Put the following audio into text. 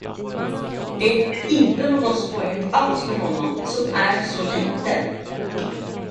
Det är inte någon svårighet alls för honom, som är så liten.